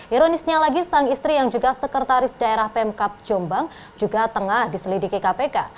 ironisnya lagi sang istri yang juga sekretaris daerah pemkap jombang juga tengah diselidiki kpk